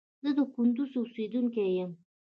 زه د کندوز اوسیدونکي یم